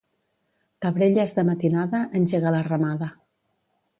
Cabrelles de matinada, engega la ramada.